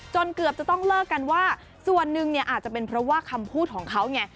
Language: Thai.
เกือบจะต้องเลิกกันว่าส่วนหนึ่งเนี่ยอาจจะเป็นเพราะว่าคำพูดของเขาไง